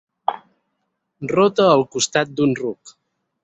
Rota al costat d'un ruc.